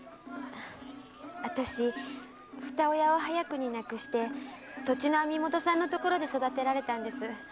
あたしふた親を早くに亡くして土地の網元さんのところで育てられたんです。